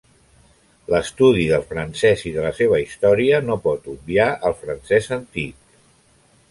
L'estudi del francès i de la seva història no pot obviar el francès antic.